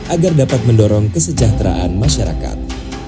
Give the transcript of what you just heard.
agar dapat mendorong kesejahteraan masyarakat